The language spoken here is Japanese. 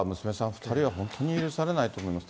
２人は、本当に許されないと思います。